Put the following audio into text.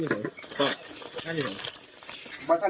พระอยู่ที่ตะบนมไพรครับ